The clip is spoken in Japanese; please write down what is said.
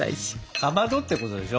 かまどってことでしょ？